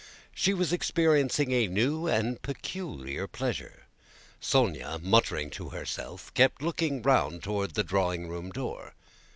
She was experiencing a new and peculiar pleasure. Sónya, muttering to herself, kept looking round toward the drawing room door.